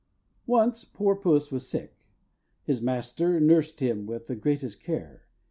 Once poor Puss was sick. His master nursed him with the greatest care.